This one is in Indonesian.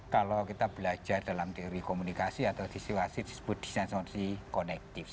kalau kita belajar dalam teori komunikasi atau situasi disebut disnessensi konektif